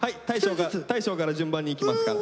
大昇から順番にいきますから。